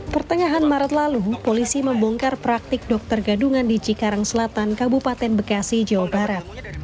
pertengahan maret lalu polisi membongkar praktik dokter gadungan di cikarang selatan kabupaten bekasi jawa barat